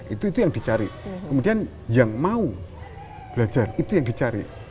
itu itu yang dicari kemudian yang mau belajar itu yang dicari